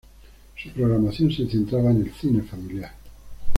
Su programación se centraba en el cine familiar.